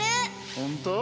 本当？